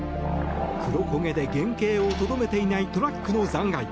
黒焦げで原形をとどめていないトラックの残骸。